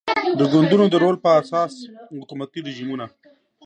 د ګوندونو د رول پر اساس حکومتي رژیمونه